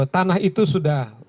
tanah itu sudah